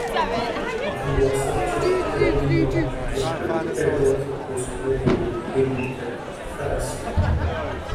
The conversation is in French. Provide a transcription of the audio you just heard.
Vouloir sortir tel élément plutôt que tel autre peut se révéler réducteur et fallacieux.